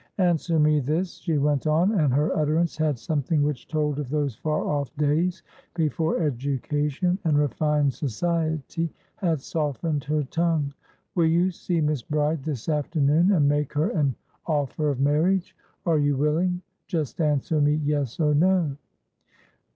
"Answer me this," she went onand her utterance had something which told of those far off days before education and refined society had softened her tongue. "Will you see Miss Bride this afternoon, and make her an offer of marriage? Are you willing? Just answer me yes or no."